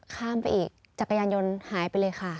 ข้ามไปอีกจักรยานยนต์หายไปเลยค่ะ